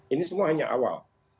ini semua hanya awal